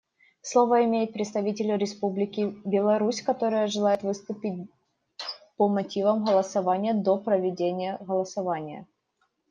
Слово имеет представитель Республики Беларусь, которая желает выступить по мотивам голосования до проведения голосования.